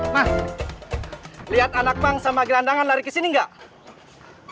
mas lihat anak bang sama gelandangan lari ke sini nggak